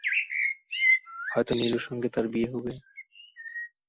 হয়তো নীলুর সঙ্গে তাঁর বিয়ে হবে।